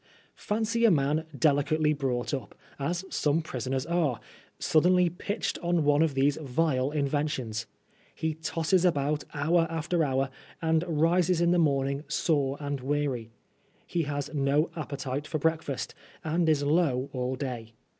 Fancy a man delicately brought up, as some prisoners are, suddenly pitched on one of these vile inventions. He tosses about hour after hour, and rises in the morning sore and weary. He has no appetite for breakfast, and is low all day.